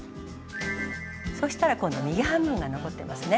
そしたら今度右半分が残ってますね。